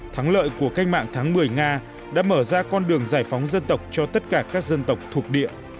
thắng lợi của cách mạng tháng một mươi nga đã mở ra con đường giải phóng dân tộc cho tất cả các dân tộc thuộc địa